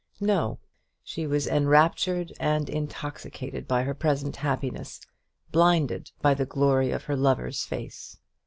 No; she was enraptured and intoxicated by her present happiness, blinded by the glory of her lover's face.